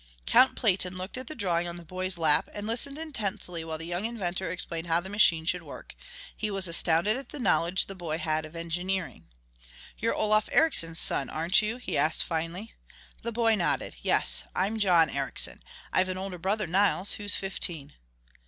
Count Platen looked at the drawing on the boy's lap, and listened intently while the young inventor explained how the machine should work. He was astounded at the knowledge the boy had of engineering. "You're Olof Ericsson's son, aren't you?" he asked finally. The boy nodded. "Yes, I'm John Ericsson; I've an older brother Nils, who's fifteen."